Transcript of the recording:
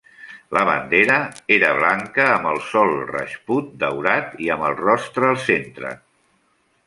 La bandera era blanca, amb el sol rajput daurat i amb rostre al centre.